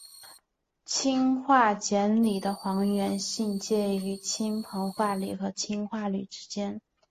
氢化铟锂的还原性介于硼氢化锂和氢化铝锂之间。